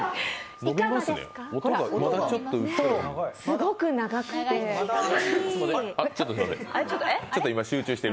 すごく長くて。